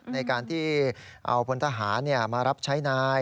ในการที่เอาพลทหารมารับใช้นาย